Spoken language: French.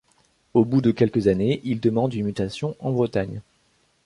Au bout de quelques années, il demande une mutation en Bretagne.